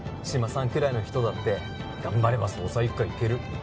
志摩さんくらいの人だって頑張れば捜査一課行ける